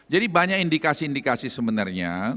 jadi banyak indikasi indikasi sebenarnya